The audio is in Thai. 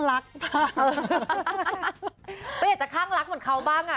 ก็อยากจะข้างรักเหมือนเขาบ้างอ่ะ